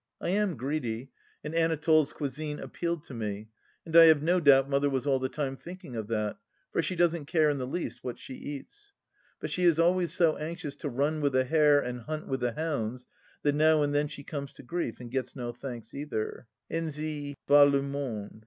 I am greedy, and Anatole's cuisine appealed to me, and I have no doubt Mother was all the time thinking of that, for she doesn't care in the least what she eats. But she is always so anxious to run with the hare and hunt with the hounds that now and then she comes to grief and gets no thanks either. Ainsi va le tnonde !